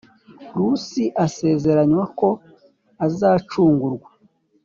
Rusi asezeranywa ko azacungurwa